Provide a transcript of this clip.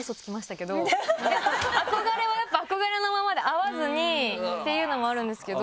憧れはやっぱ憧れのままで会わずにっていうのもあるんですけど。